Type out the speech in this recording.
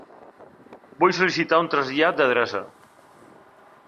Vull sol·licitar un trasllat d'adreça.